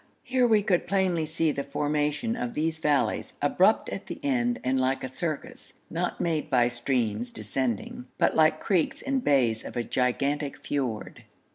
Here we could plainly see the formation of these valleys, abrupt at the end and like a circus, not made by streams descending, but like creeks and bays of a gigantic fiord.